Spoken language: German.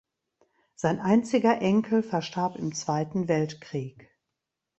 Sei einziger Enkel verstarb im Zweiten Weltkrieg.